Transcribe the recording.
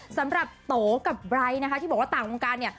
สำหรับโตกับไร้นะคะที่บอกว่าต่างวงการเนี่ย